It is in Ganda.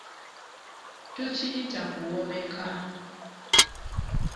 Tukiyita kuwommeka.